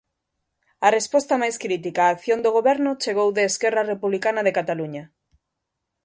A reposta máis crítica á acción do Goberno chegou de Esquerra Republicana de Cataluña.